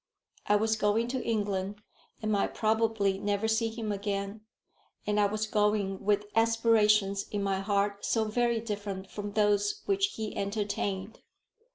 I was going to England, and might probably never see him again; and I was going with aspirations in my heart so very different from those which he entertained!